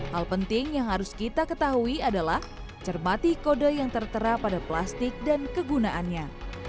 hal penting yang harus kita ketahui adalah cermati kode yang tertera pada plastik dan kegunaannya